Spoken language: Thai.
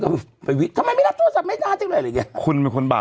ตีกับพ่อเนี่ยหรอฮะ